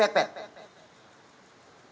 yang diperhatikan sebagai penduduk mrs